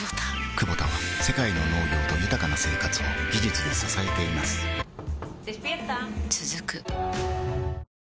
クボタは世界の農業と豊かな生活を技術で支えています起きて。